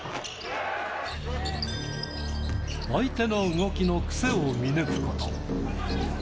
相手の動きの癖を見抜くこと。